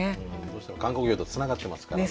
どうしても観光業とつながってますからね。